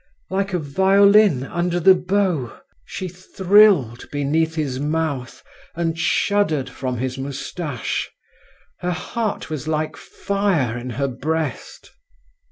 Like a violin under the bow, she thrilled beneath his mouth, and shuddered from his moustache. Her heart was like fire in her breast.